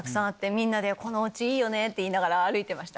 みんなでこのお家いいよね！って言いながら歩いてました。